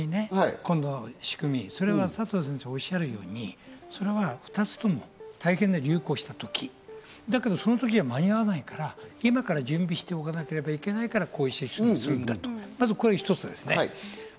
さっきの仕組みね、佐藤先生がおっしゃるようにそれは２つとも大変な流行をした時だけど、その時は間に合わないから今から準備しておかなければいけないから、こういうシステムにするんだと、まずこれが一つ。